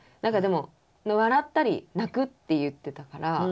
でも笑ったり泣くって言ってたから。